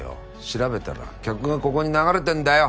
調べたら客がここに流れてんだよ。